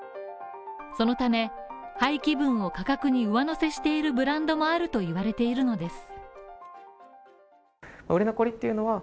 そのため、廃棄分を価格に上乗せしているブランドもあると言われているのです。